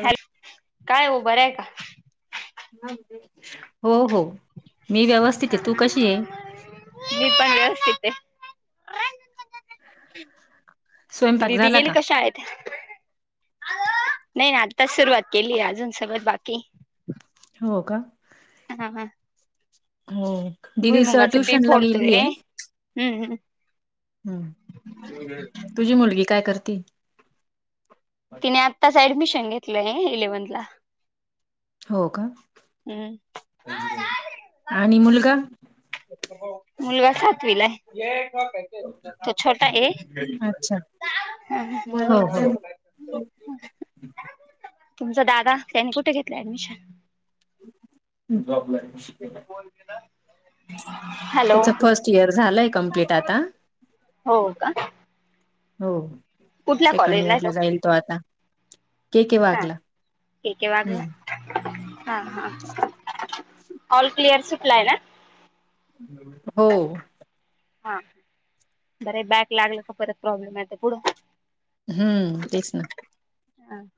Hello काय उभं आहे का ह हो हो मी व्यवस्थित आहे तू कशी आहे ते स्वयंपाक दिदी झाला गेली का कशा आहेत नाही ना आताच सुरुवात केली अजून सबत बाकी हो का हा हा हो दिदीच भुईमुगाचं बी ट्युशन ला फोडतोय गेलीय हम्म हम्म हम् तुझी मुलगी काय करती तिने आत्ताच ऍडमिशन घेतलंय इलेव्हन्थ ला हो का हम्म आणि मुलगा मुलगा सातवीलाय तो छोटा ए अच्छा. ह. हो हो तुमचा दादा त्यांनी कुठे घेतलं ऍडमिशन जॉबला. ह. त्याच फर्स्ट इयर झालंय कमप्लीट आता हो का हो कुठल्या सेकंड कॉलेजला इयर आहे ला जाईल तो आता के के हा वागला ठीक आहे वागल. हम्म हा हा ऑल प्लेियर सुटला आहे ना. हो. हा बर बॅक लागल का परत प्रॉब्लेम आहे पुढं. हम्म तेच ना. ह ह.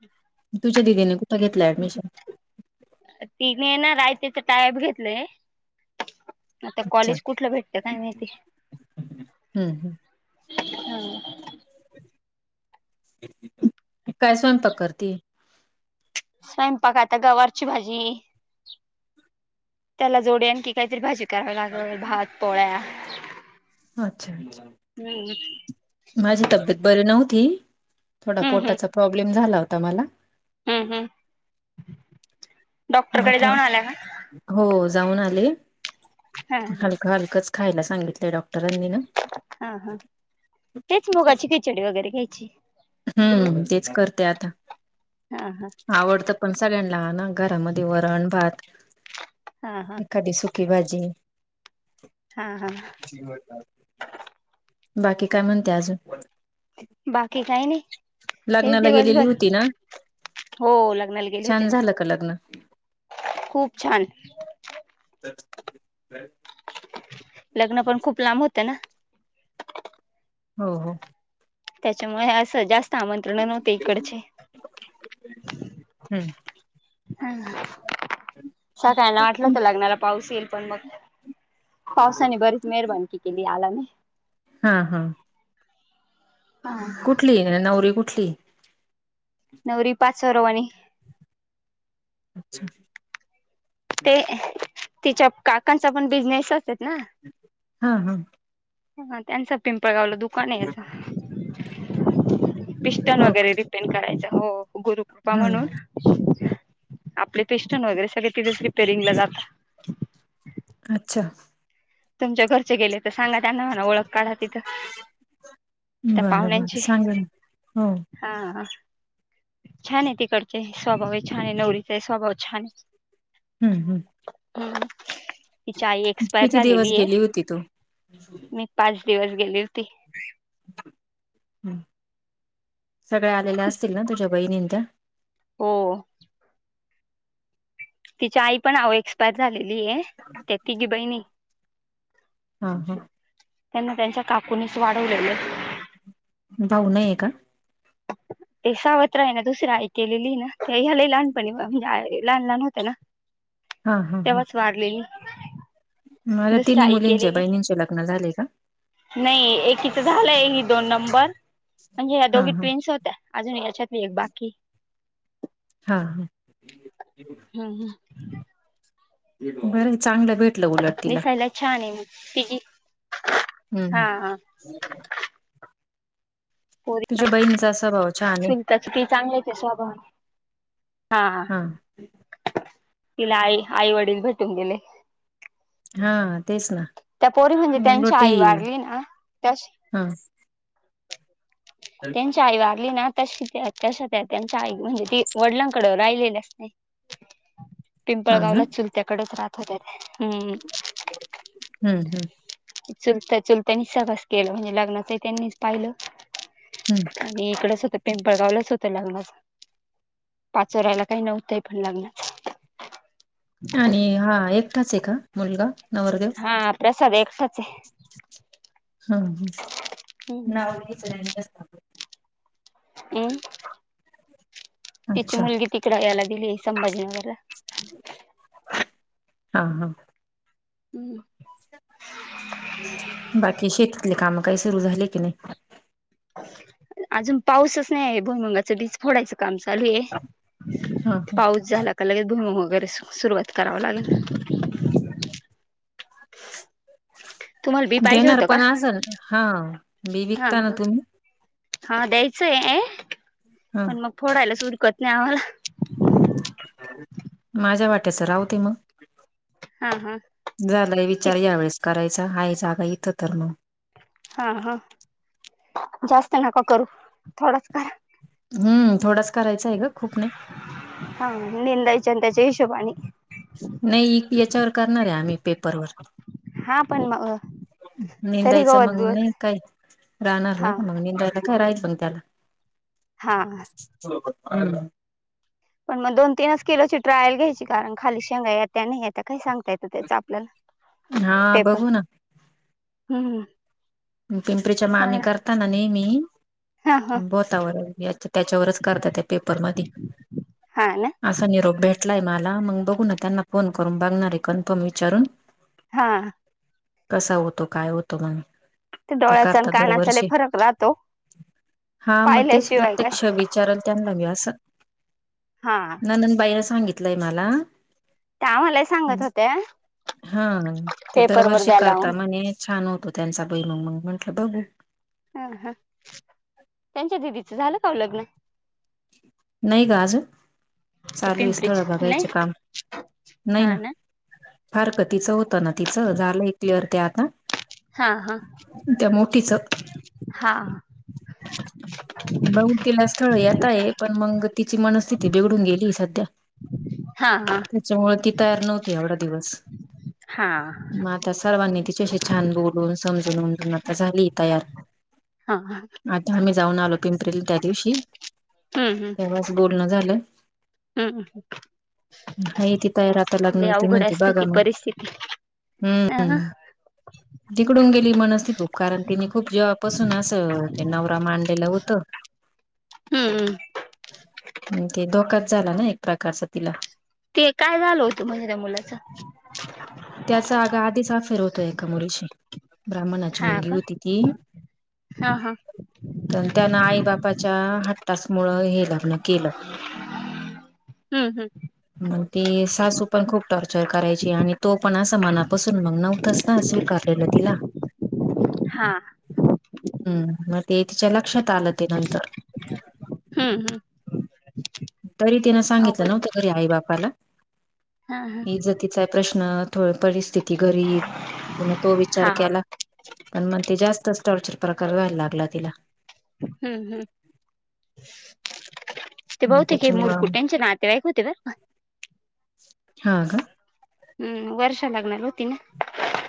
तुझ्या दिदीने कुठं घेतलं ऍडमिशन तिने ना रायतेच टायप घेतलंय. आता अच्छा कॉलेज कुठलं भेटत काय नाही ते हम्म हम. काय स्वयंपा करती स्वयंपाक आता गवारची भाजी त्याला जोडे आणखी काहीतरी भाजी का लाग भात प्या अच्छा अच्छा हम्. माझी तब्येत बरी नव्हती थोडा हम्म हम्म पोटाचा प्रॉब्लेम झाला होता मला हम्म हम्म. डॉक्टरकडे मता जाऊन आला का हो. आ हा हा ह हच खायला सांगितडॉक्र हा हा तेच मुगाची खिचडी वगैरे खायची. हम्म तेच करते आता हा हा आवडतं पण सगळ्यांना ना घरामध्ये वरण भात. हा हा एखादी सुकी भाजी हा हा. बाकी काय म्हणते अजून बाकी काही नाही हे लग्नाला गेलेली दिवसभर होती ना हो लग्नाला गेले होते छान ना. झालं का लग्न खूप छान. हम. लग्न पण खूप लांब होतं ना. हो हो. त्याच्यामुळे असं जास्त आमंत्रण नव्हते इकडचे हम्म सगळ्यां ना वाटलं होत लग्नाला पाऊस येईल पण पावसाने बरीच मेहरबानी केली आलाने हा हा. नाही. कुठली नवरी कुठली? नवरी पाचोरवानी अच्छा. ते तिच्या काकांचा पण बिजनेस असचेत ना. हा हम. त्यांचं पिंपळ गावलं दुकान आहे याचा पिस्टन हो का वगैरे रिपेन करायच हो गुरुकृपा म्हणून हम्म आपले पेस्टन वगैरे सगळे तिथेच रिपेरिंगला जात. अच्छा. तुमच्या घरचे गेले तर सांगा त्यांना म्हणा ओळख काढा. तिथ त्या बरं बरं पाहुण्यांची सांगेल हो हा. छान आहे तिकडचे स्वभाव छान आहे नवरीचा आहे स्वभाव छान आहे. हम्म हम्म. तिच्या आई एक्सपायर किती दिवस झालेली आहे गेली होती तू मी पाच दिवस गेली होती. सगळे्या आलेल्या असतील ना तुझ्या बहिणींन त्या हो. तिच्या आई पण आहो एक्सपायर झालेली आहे त्या तिघी बहिणी हा हा. त्यांना त्यांच्या काकुनीच वाढवलेले भाऊ नाहीे का? ते सावत्र आहे ना दुसरी आई केलेली ना ते या लय लहानपणी म्हणजे लहान लहान होत ना. हा हा तेव्हाच हा. वाढलेली मला्या दुसरी तिन्ही आई मुलींचे केलेली बहिणींचे लग्न झाले. का? नाही एकीच झालंय हि दोन नंबर म्हणजे या हा दोघी हा ट्विन्स होत्या अजून याच्यात एक बाकी हा हा. हम्म हम्. बरं चांगलं. भेटलं उलट तिला दिसायला छान आहे ति जी हम्म. पोरी तुझ्या बहिणीचा स्वभाव छान आहे. काय चांगल्याच आहे स्वभावान हा तिला आई आई वडील भेटून गेले. हा तेच ना. त्या पोरी म्हणजे त्यांची मुनगटी आई वारली ना त्याशी हा त्यांची आई वारली ना तशी तशा त्या त्यांच्या आई म्हणजे वडिलांकड राहिलेल्याच नाहीये हा पिंपळगावला ना चुलत्या कडेच राहत होत्या त्या हम्म हम्म हम्म चुलत्या चुलत्यानीच सगळंच केलं म्हणजे लग्नाच त्यांनीच पाहिलं. हम्म आणि इकडच होते पिंपळगावलच होते लग्न पाचोर्‍याला काही नव्हते पण लग्न आणि हा एकटाच आहे का मुलगा? नवरदेव? हा प्रसाद एकटाच आहे. हम्म [unintelligible] हम्म तिची अच्छा मुलगी तिकडे याला दिली आहे संभाजीनगरला हा हा. हम्म. बाकी शेतीतले काम काही सुरू झाले की नाही? अजून पाऊसच नाहीये भूईमुगाचं बीज फोडायचं काम चालू हा आहे हा पाऊस झाला का लगेच भुईमुग वगैरे सुरुवात करावं लागेल. तुम्हाला बी पाहिजे देणार होतं का पण आज हा बी हा विकता ना तुम्ही हा द्यायचंय हा पण मग फोडायलाच उरकत नाही आम्हाला माझ्या वाट्याचं राहू दे मग हा हा झालंय कि विचार या वेळेस करायचा आहे जागा इथं तर मग हा हा जास्त नका करू थोडाच करा. हम्म थोडाच करायचा आहे ग खूप नाही हा निंदायच्या आणि त्याच्या हिशोबानी नाही याच्यावर करणार आहे आम्ही पेपरवर हा पण मग तरी निेंदायचं गवत मग नाही बिवत काय राहणार ना हा का मग निेंदायला करायच पण त्याला हा हा ना पण मग दोन तीनच किलोची ट्रायल घ्यायची कारण खाली शेंगा येत्या नाही येत्या का सांगता ता येत त्याच आपल्याला हा ते पण बघू ना हम्म पिंपरीच्या मामी कारण करता ना नेहमी हा हा बोतावर त्याच्यावरच करता त्या पेपर मधी हा ना असा निरोप भेटलाय मला मग बघू ना त्यांना फोन करून बघणारे कन्फर्म विचारून हा कसा होतो काय होतो म्हणे ते डोळ्याचा अन् कानाचा लई फरक राहतो. हा मग तेच पाहिल्याशिवाय काय प्रत्यक्ष विचारल त्यांना मी अस हा नंदन बाईला सांगितलंय मला त्या आम्हालाही सांगत होत्या हा ते पेपर दरबार वर द्यायला शिकारता लावून म्हणे छान होतो त्यांचा बहिरुम मग म्हंटलं बघू हा हा त्यांच्या दिदीचं झालं का ओ लग्न नाही ग आजून ते चालू आहेस पिंपरीच स्थळ नाही बघायचे काम नाही ना फार का तिचं होतं ना तिचं झालंय क्लिअर ते आता. हा हा त्या मोठीच हा. मघ तिला स्थळ येत आहे पण मग तिची मनस्थिती बिघडून गेली सध्या. हा हा त्याच्यामुळे ती तयार नव्हती आवडा दिवस. हा मग आता सर्वांनी तिच्याशी छान बोलून समजून उमजून आता झाली. तयार हा हम्म आता आम्ही जाऊन आलो. पिंप्रिल त्या दिवशी हम्म तेव्हाच बोलणं झालं. हम्म हा इ ते तयार आता लागणार लय होती अवघड म्हणती असत ती बागाम. परिस्थिती अ हम्म तिकडून गेली मनस. खूप कारण त्यांिनी खूप जेवपासून असं ते नवरा म आणलेलं होत. हम्म ते धोकाच झाला ना एक प्रकारचा तिला ते काय झालं होतं म्हणजे त्या मुलाचं त्याचा आगा आधीच अ फेर होतोय एका मुलीशी ब्राह्मणाची हा मुलगी का होती ती हा हा तर. त्यान आई बापाच्या हट्टस् मुळ हे लग्न केलं. हम्म हम्म मग ती सासू पण खूप टॉर्चर करायची आणि तो पण असं मनापासून मग नव्हतच ना. स्वीकार तिला् हा मग ते तिच्याला. आलं ते नंतर. हम्म हम्म तरी तिन सांगितलं अवघड नव्हत अरे आई बापाला. हा हा इज तचा आहे प्रश्न थोड परिस्थिती. त गरीब तिने तो हा विचार केला हम्म पण मग ते जास्त. च टॉर्चर प्रकार व्हायला लागला तिला. हम्म हम्म. ते हम्म, बहते क त्याच्यामुळं मुूर्कु टेनशन आतेवाईक होते बर. हा का हम्म वर्ष लाग्नल.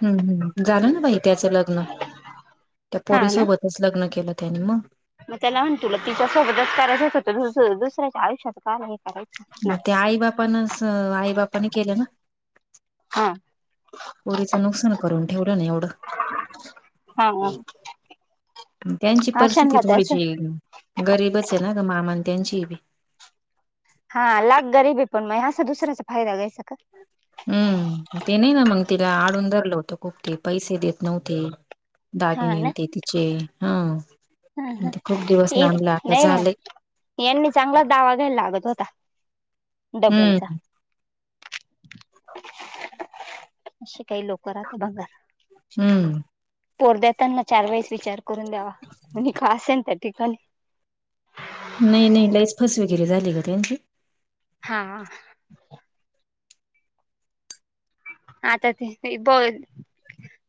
हम्म हम्म झालं ना भाई. त्याचं लग्न त्या हा ना पोरीसोबतच लग्न केलं त्यानी मग. मग त्याला म्हणत तुला तिच्यासोबतच करायच होतं दु दुसऱ्याच्या आयुष्याच काय. मग ते आई बापानच आई बापनी केलं ना. हा पोरीचं नुकसान करून ठेवलं ना एवढं हा हम त्यांची परिस्थिती अशांना त्यास थोडीशी गरीबच आहे ना ग मामां त्यांनचीभी हा लाख गरीबी पण नाही असा दुसऱ्याचा फायदा घ्यायचा का हम्म ते नाही ना मग तिला आडून धरल होतं खूप ते पैसे देत नव्हते दागिने न ते तिचे हा हम मी तर खूप दिवस हम लांबला आता नै ना झालंय यांनी चांगला दावा घ्यायला लागत होता डबलचा हम्म [inaudible] असे काही लोक राहतात बघांर हम्म पोरदेताना चार वेळेस विचार करून द्यावा कोणी का असेन त्या ठिकाणी जिरे झाली का त्यांची हा आता ते ब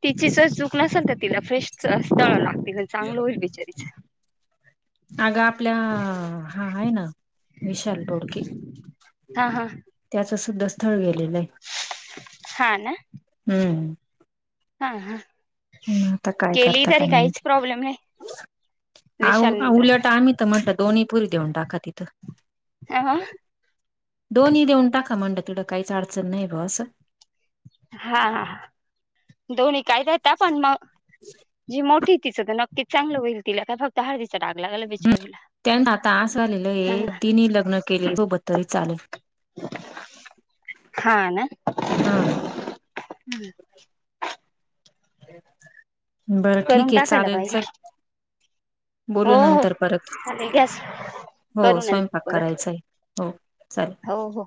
तिची जर चूक नसेल तर तिला फ्रेश स्थळ लागते पण चांगलं होईल बिचारीच अग आपला हा आहे ना विशाल डोडके हा हा त्याचं सुद्धा स्थळ गेलेलंय हा ना हम्म हा ह केली तरी काहीच प्रॉब्लेम नाही आ विशालनी जर उलट आम्ही तर म्हणलं दोन्ही पुरी देऊन टाका तिथं हा दोन्ही देऊन टाका म्हणड तुडं काहीच अडचण नाही बस हा हा हा दोन्ही कायात पण मग जी मोठी तिचं तर नक्कीच चांगलं होईल ति काय फक्त हा हम त्यांना आता अस झालेलं हे हा तिने लग्न केले सोबत तरी चालेल हा ना हम्म बरं करून ठीक आहे टाकायला चालेल पाहिजे हो बोलू हो नंतर परत चालेल गॅस हो करू नंतर स्वयंपाक परत करायचा आहे हो चालेल हो हो